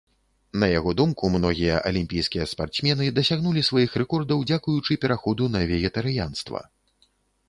На яго думку, многія алімпійскія спартсмены дасягнулі сваіх рэкордаў дзякуючы пераходу на вегетарыянства.